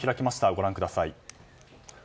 ご覧ください。